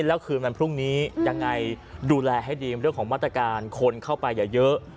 แล้วคืนวันพรุ่งนี้ยังไงดูแลให้ดีเรื่องของมาตรการคนเข้าไปอย่าเยอะ